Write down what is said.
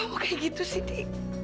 gue nggak mau kayak gitu sih di